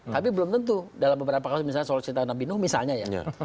tapi belum tentu dalam beberapa kasus misalnya soal cerita nabi nuh misalnya ya